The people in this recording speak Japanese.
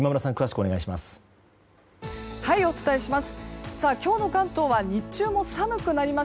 お伝えします。